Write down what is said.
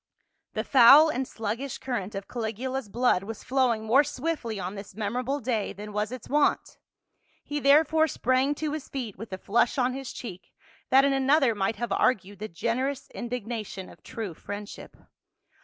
The foul and sluggish current of Caligula's blood was flowing more swiftly on this memorable day than was its wont, he therefore sprang to his feet with a flush on his cheek that in another might have argued the generous indignation of true friendship.